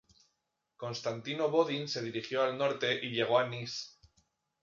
Constantino Bodin se dirigió al norte y llegó a Niš.